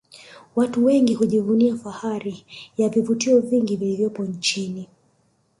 Watu wengi hujivunia fahari ya vivutio vingi vilivyopo nchini